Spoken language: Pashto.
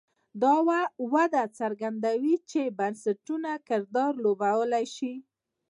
دا وده څرګندوي چې بنسټونه کردار لوبولی شي.